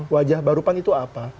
wajah baru pan itu apa